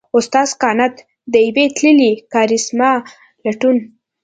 استاد قانت؛ د يوې تللې کارېسما لټون!